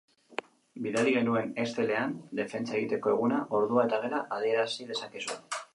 Bidali genuen Excell-ean defentsa egiteko eguna, ordua eta gela adierazidezakezu.